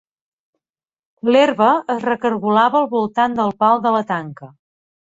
L'herba es recaragolava al voltant del pal de la tanca.